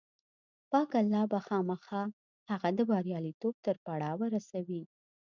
پاک الله به خامخا هغه د برياليتوب تر پړاوه رسوي.